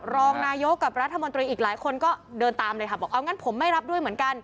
รองนายกกับรัฐมนตรีอีกหลายคนก็เดินตามเลยค่ะบอกเอางั้นผมไม่รับด้วยเหมือนกัน